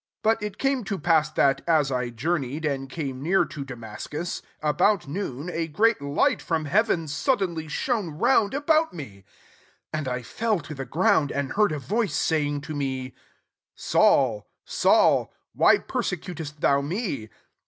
6 But it came to pass that, as I journeyed, and came near to Damascus, about noon, a great light from heaven suddenly shone round about me. 7 And I fell to the ground, and heard a voice saying to me, ' Saul, Saul, why pefsecutest thou me?'